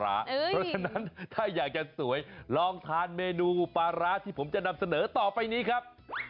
เพราะฉะนั้นถ้าอยากจะสวยลองทานเมนูปลาร้าที่ผมจะนำเสนอต่อไปนี้ครับ